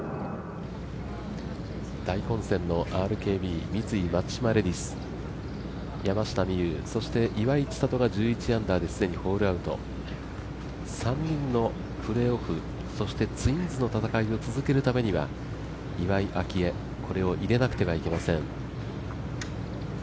大混戦のＲＫＢ×三井松島レディス山下美夢有、そして岩井千怜が１１アンダーで既にホールアウト、３人のプレーオフ、そしてツインズの戦いを続けるためには、岩井明愛これを入れなくてはなりません。